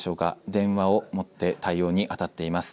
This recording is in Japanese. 電話を持って対応に当たっています。